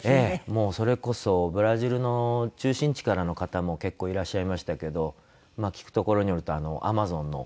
もうそれこそブラジルの中心地からの方も結構いらっしゃいましたけど聞くところによるとアマゾンの。